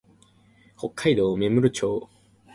北海道芽室町